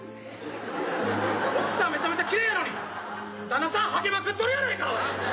奥さんめちゃめちゃきれいやのに旦那さんハゲまくっとるやないか。